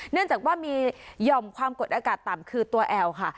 เนื่องจากว่ามีหย่อมความกดอากาศต่ำคือตัวแอลค่ะ